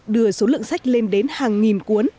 đưa số lượng sách lên đến hàng nghìn cuốn